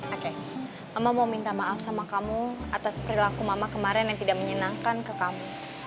oke mama mau minta maaf sama kamu atas perilaku mama kemarin yang tidak menyenangkan ke kamu